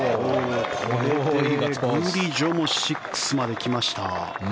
これでグリジョも６まで来ました。